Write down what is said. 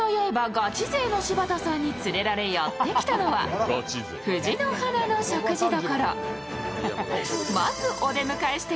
ガチ勢の柴田さんに連れられやってきたのは、藤の花の食事処。